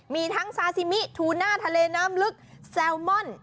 มีทั้งซาซิมิทูน่าทะเลน้ำลึกแซลมอน